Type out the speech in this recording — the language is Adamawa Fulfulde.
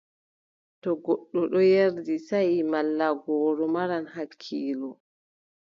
To goɗɗo ɗon yerdi saaʼi malla gooro, maran hakkiilo.